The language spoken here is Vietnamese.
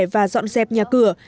và dọn dẹp nhà cửa